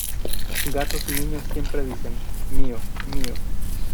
Gatos y niños siempre dicen: mío, mío.